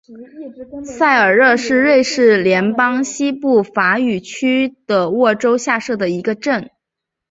塞尔热是瑞士联邦西部法语区的沃州下设的一个镇。